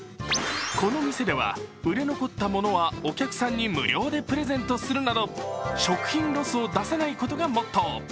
この店では、売れ残ったものはお客さんに無料でプレゼントするなど食品ロスを出さないことがモットー。